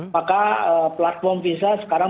maka platform visa sekarang